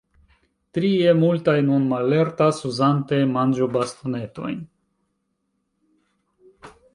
Trie, multaj nun mallertas, uzante manĝobastonetojn.